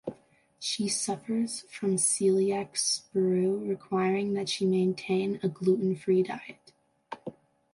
She suffers from celiac sprue, requiring that she maintain a gluten-free diet.